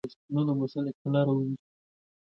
بین الافغاني جرګې شرایط قبول کړل.